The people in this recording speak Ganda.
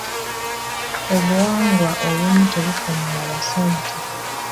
Obuwangwa obumu tebukomola basajja.